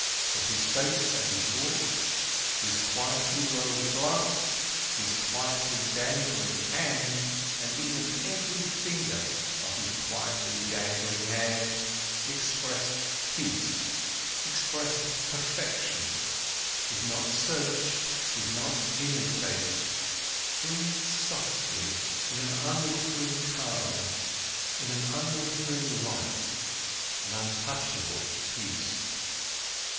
But his face and his walk, his quietly lowered glance, his quietly dangling hand and even every finger of his quietly dangling hand expressed peace, expressed perfection, did not search, did not imitate, breathed softly in an unwhithering calm, in an unwhithering light, an untouchable peace.